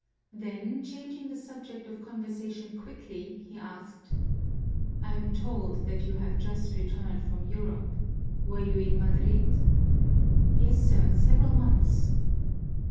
Then, changing the subject of conversation quickly, he asked, "I'm told that you have just returned from Europe; were you in Madrid?" "Yes, sir, several months."